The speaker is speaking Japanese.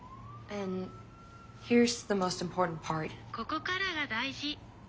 「ここからが大事！」。